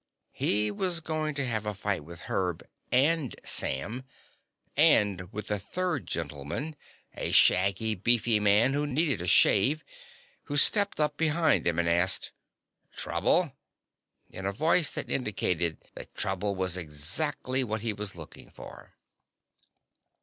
He was going to have a fight with Herb and Sam and with the third gentleman, a shaggy, beefy man who needed a shave, who stepped up behind them and asked: "Trouble?" in a voice that indicated that trouble was exactly what he was looking for.